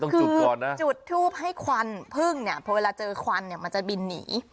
คือจุดทูบให้ควันพึ่งเพราะเวลาเจอควันมันจะบินหนี